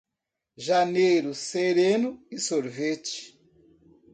Janeiro sereno e sorvete.